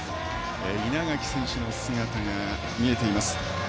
稲垣選手の姿が見えています。